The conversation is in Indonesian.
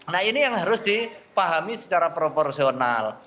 nah ini yang harus dipahami secara proporsional